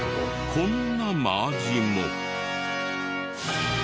こんな真あじも。